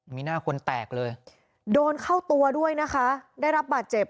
มีหน้าคนแตกเลยโดนเข้าตัวด้วยนะคะได้รับบาดเจ็บ